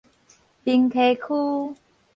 平溪區